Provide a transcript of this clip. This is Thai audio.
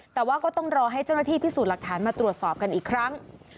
แต่ว่าก็ต้องรอให้เจ้าหน้าที่พิสูจน์หลักฐานมาตรวจสอบกันอีกครั้ง